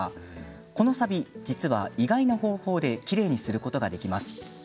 このさび、実は意外な方法できれいにすることができます。